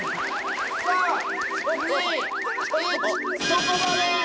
そこまで！